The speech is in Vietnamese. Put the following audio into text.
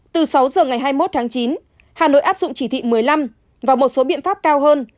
từ sáu giờ ngày hai mươi một tháng chín hà nội áp dụng chỉ thị một mươi năm và một số biện pháp cao hơn